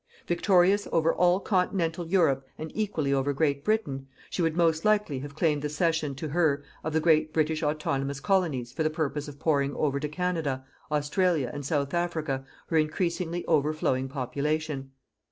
Victorious over all continental Europe and equally over Great Britain, she would most likely have claimed the cession to her of the great British autonomous Colonies for the purpose of pouring over to Canada, Australia and South Africa her increasingly overflowing population.